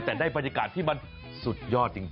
แต่ได้บรรยากาศที่มันสุดยอดจริง